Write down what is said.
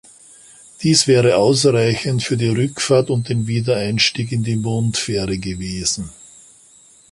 Dies wäre ausreichend für die Rückfahrt und den Wiedereinstieg in die Mondfähre gewesen.